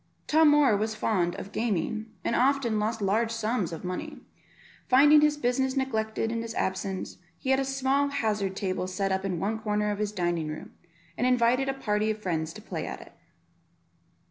Tom Moor was fond of gaming, and often lost large sums of money; finding his business neglected in his absence, he had a small hazard table set up in one corner of his dining room, and invited a party of his friends to play at it.